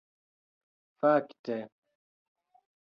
Fakte...